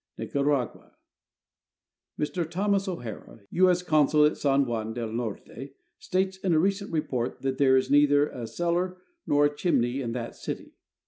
Nicaragua. Mr Thomas O'Hara, U. S. consul at San Juan del Norte, states in a recent report that there is neither a cellar nor a chimney in that city.